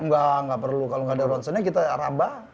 nggak nggak perlu kalau nggak ada ronsennya kita raba